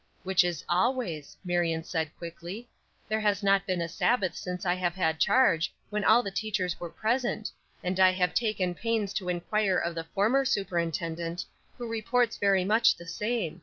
"Which is always," Marion said, quickly. "There has not been a Sabbath since I have had charge when all the teachers were present; and I have taken pains to inquire of the former superintendent, who reports very much the same.